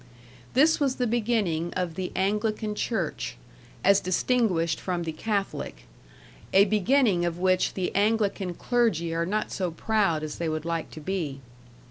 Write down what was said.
This was the beginning of the Anglican Church, as distinguished from the Catholic; a beginning of which the Anglican clergy are not so proud as they would like to be.